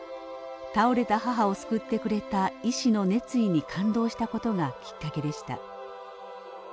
倒れた母を救ってくれた医師の熱意に感動した事がきっかけでした。